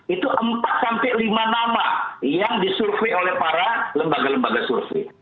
itu empat sampai lima nama yang disurvey oleh para lembaga lembaga survei